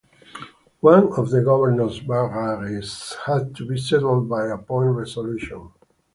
One of the governor's vagaries had to be settled by a joint resolution.